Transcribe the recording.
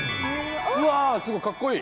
うわすごいかっこいい！